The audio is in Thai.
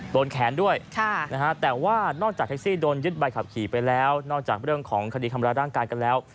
โดนแขนด้วยแต่ว่านอกจากแท็กซี่โดนยึดใบขับขี่ไปแล้วนอกจากเรื่องของคดีทำร้ายร่างกายกันแล้ว